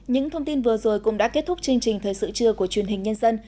những thông tin vừa rồi cũng đã kết thúc chương trình thời sự trưa của truyền hình nhân dân